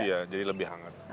iya jadi lebih hangat